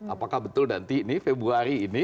apakah betul nanti ini februari ini